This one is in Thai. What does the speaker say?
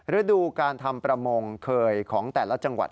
ฤดูการทำประมงเคยของแต่ละจังหวัด